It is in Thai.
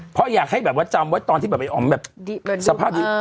เพราะอยากให้จำว่าตอนที่อ๋อมสภาพดี